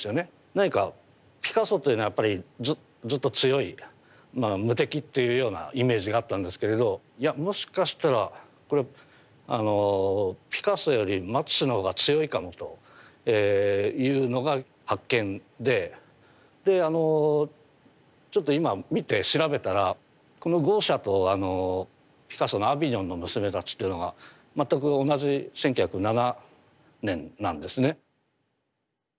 何かピカソというのはやっぱりずっと強い無敵っていうようなイメージがあったんですけれどいやもしかしたらこれはピカソよりマティスの方が強いかもというのが発見でであのちょっと今見て調べたらこの「豪奢」とピカソの「アヴィニョンの娘たち」っていうのが全く同じ１９０７年なんですね。